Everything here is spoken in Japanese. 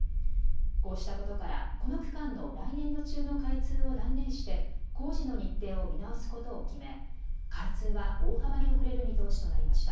こうしたことからこの区間の来年度中の開通を断念して工事の日程を見直すことを決め、開通は大幅に遅れる見通しとなりました。